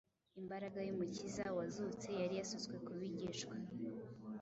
Imbaraga y’Umukiza wazutse yari yasutswe ku bigishwa